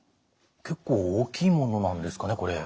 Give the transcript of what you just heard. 結構大きいものなんですかねこれ。